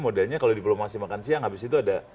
modelnya kalau diplomasi makan siang habis itu ada